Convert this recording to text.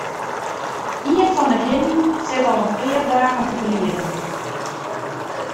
Ien fan 'e hinnen sit al in pear dagen te brieden.